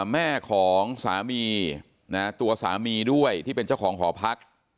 แม่ของสามีตัวสามีด้วยที่เป็นเจ้าของหอพัก